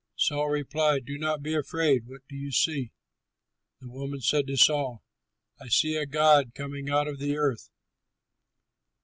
Saul replied, "Do not be afraid! What do you see?" The woman said to Saul, "I see a god coming out of the earth."